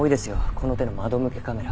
この手の窓向けカメラ。